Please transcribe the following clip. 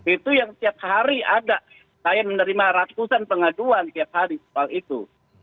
itu yang setiap hari ada saya menerima ratusan pengaduan tiap hari soal itu